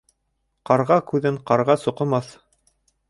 Ҡарға күҙен ҡарға соҡомаҫ.